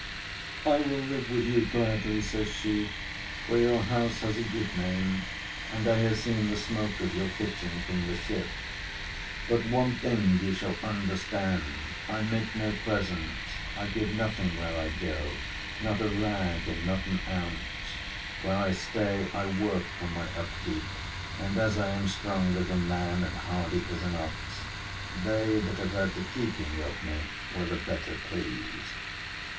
"I will live with you gladly," says she, "for your house has a good name, and I have seen the smoke of your kitchen from the ship. But one thing you shall understand. I make no presents, I give nothing where I go not a rag and not an ounce. Where I stay, I work for my upkeep; and as I am strong as a man and hardy as an ox, they that have had the keeping of me were the better pleased."